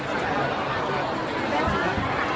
การรับความรักมันเป็นอย่างไร